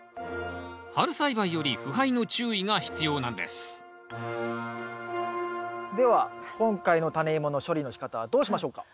春栽培より腐敗の注意が必要なんですでは今回のタネイモの処理の仕方はどうしましょうか？